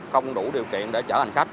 không đủ điều kiện để chở hành khách